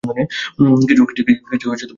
কিছু গ্রেভি খাও।